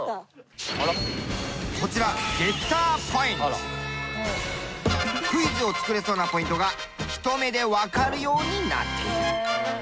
こちらクイズを作れそうなポイントがひと目でわかるようになっている。